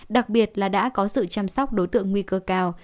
đặc biệt là đã có sự chăm sóc đối tượng nguy cơ cao